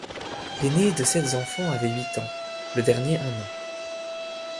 L’aîné des sept enfants avait huit ans, le dernier un an.